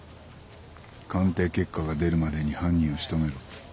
鑑定結果が出るまでに犯人を仕留めろ。